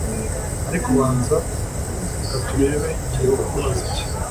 Ariko ubanza reka turebe ngiye kukubaza iki